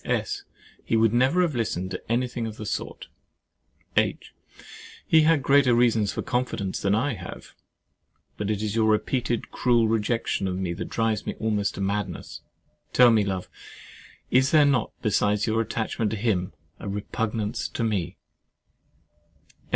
S. He would never have listened to anything of the sort. H. He had greater reasons for confidence than I have. But it is your repeated cruel rejection of me that drives me almost to madness. Tell me, love, is there not, besides your attachment to him, a repugnance to me?